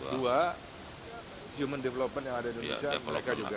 dua human development yang ada di indonesia mereka juga